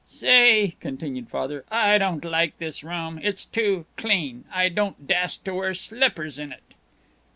"Say," continued Father, "I don't like this room. It's too clean. I don't dast to wear slippers in it."